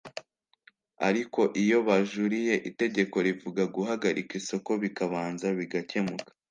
ariko iyo bajuriye itegeko rivuga guhagarika isoko bikabanza bigakemuka